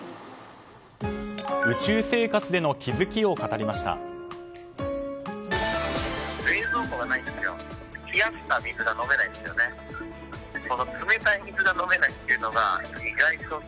宇宙生活での気付きを語りました。